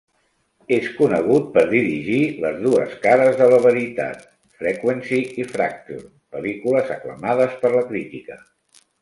És conegut per dirigir "Les dues cares de la veritat", "Frequency" i "Fracture", pel·lícules aclamades per la crítica.